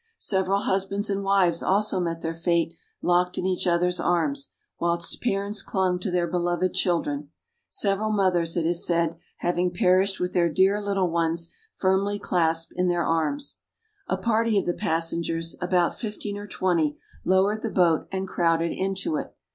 Several husbands and wives also met their fate locked in each other's arms; whilst parents clung to their beloved children, several mothers it is said, having perished with their dear little ones firmly clasped in their arms. A party of the passengers, about fifteen or twenty, lowered the boat and crowded into it.